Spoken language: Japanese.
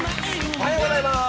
おはようございます。